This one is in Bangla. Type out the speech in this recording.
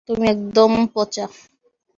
তুমি একদম পচা।